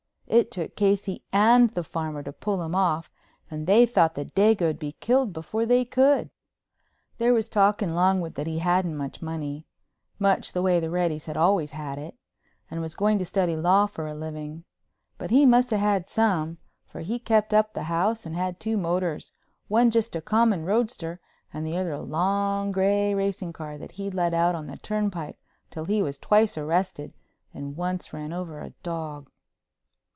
It took Casey and the farmer to pull him off and they thought the dago'd be killed before they could. There was talk in Longwood that he hadn't much money—much, the way the Reddys had always had it—and was going to study law for a living. But he must have had some, for he kept up the house, and had two motors, one just a common roadster and the other a long gray racing car that he'd let out on the turnpike till he was twice arrested and once ran over a dog.